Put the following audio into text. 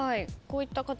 こういった形の。